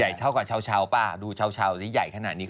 ใหญ่เท่ากับเช้าป่ะดูเช้าแล้วใหญ่ขนาดนี้